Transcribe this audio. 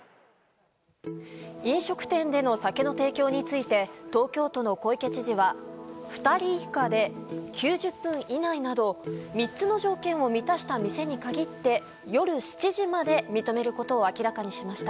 飲食店での酒の提供について東京都の小池知事は２人以下で９０分以内など３つの条件を満たした店に限って夜７時まで認めることを明らかにしました。